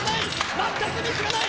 全くミスがない！